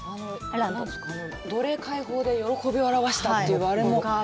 奴隷解放で喜びを表したというあれも。